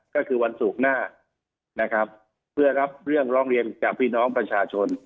ก็คือวันศุกร์หน้านะครับเพื่อรับเรื่องร้องเรียนจากพี่น้องประชาชน